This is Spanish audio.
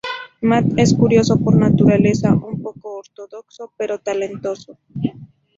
Matt es curioso por naturaleza, un poco ortodoxo pero talentoso.